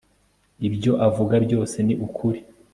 ibyo avuga byose ni ukuri